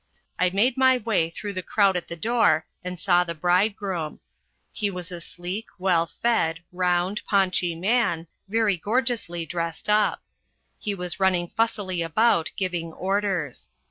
I made my way through the crowd at the door and saw the bridegroom. He was a sleek, well fed, round, paunchy man, very gorgeously dressed up. He was running fussily about, giving orders.